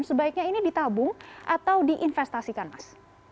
sebaiknya ini ditabung atau diinvestasikan mas